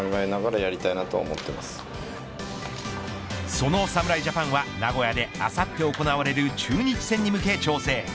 その侍ジャパンは名古屋であさって行われる中日戦に向け調整。